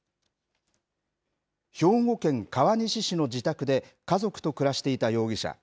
兵庫県川西市の自宅で、家族と暮らしていた容疑者。